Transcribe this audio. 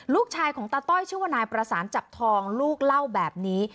ลูกชายของตาต้อยชื่อว่านายประสานจับทองลูกเล่าแบบนี้